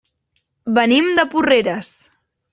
Venim de Porreres.